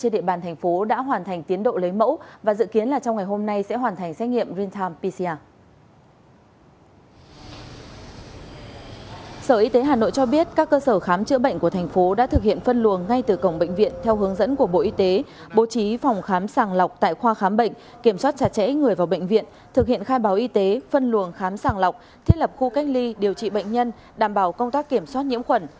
trước nhất các cơ sở khám chữa bệnh của thành phố đã thực hiện phân luồng ngay từ cổng bệnh viện theo hướng dẫn của bộ y tế bố trí phòng khám sàng lọc tại khoa khám bệnh kiểm soát trả trễ người vào bệnh viện thực hiện khai báo y tế phân luồng khám sàng lọc thiết lập khu cách ly điều trị bệnh nhân đảm bảo công tác kiểm soát nhiễm khuẩn